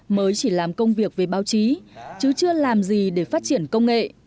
mới chỉ làm công việc về báo chí chứ chưa làm gì để phát triển công nghệ